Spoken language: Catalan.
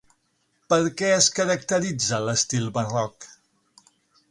Per què es caracteritza l'estil Barroc?